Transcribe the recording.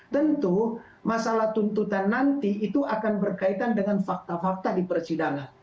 tentu masalah tuntutan nanti itu akan berkaitan dengan fakta fakta di persidangan